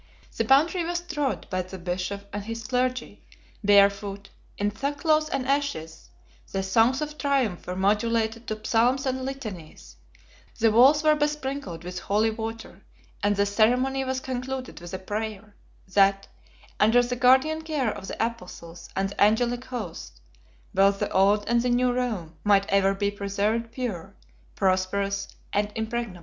The boundary was trod by the bishop and his clergy, barefoot, in sackcloth and ashes; the songs of triumph were modulated to psalms and litanies; the walls were besprinkled with holy water; and the ceremony was concluded with a prayer, that, under the guardian care of the apostles and the angelic host, both the old and the new Rome might ever be preserved pure, prosperous, and impregnable.